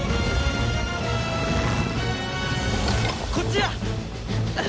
こっちだ！